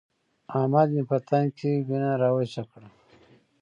احمد مې په تن کې وينه راوچه کړه.